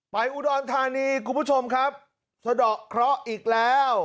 อุดรธานีคุณผู้ชมครับสะดอกเคราะห์อีกแล้ว